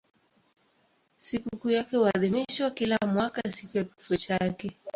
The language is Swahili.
Sikukuu yake huadhimishwa kila mwaka siku ya kifo chake.